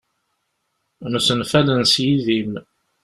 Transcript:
Msenfalen s yidim.